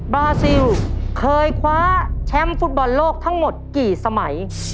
บาซิลเคยคว้าแชมป์ฟุตบอลโลกทั้งหมดกี่สมัย